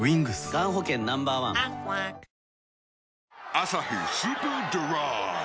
「アサヒスーパードライ」